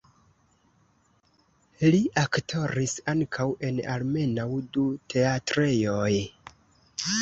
Li aktoris ankaŭ en almenaŭ du teatrejoj.